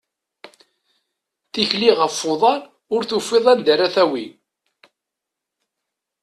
Tikli ɣef uḍar, ur tufiḍ anda ara t-tawi.